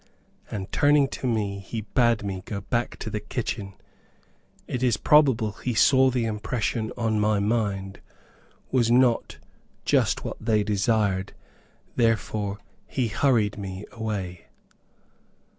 and turning to me, he bade me go back to the kitchen. It is probable he saw the impression on my mind was not just what they desired, therefore he hurried me away.